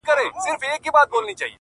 د ښویېدلي سړي لوري د هُدا لوري.